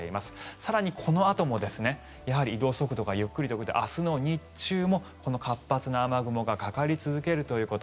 更にこのあとも、やはり移動速度がゆっくりということで明日の日中もこの活発な雨雲がかかり続けるということ。